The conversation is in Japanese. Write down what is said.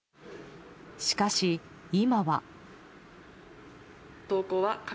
しかし、今は。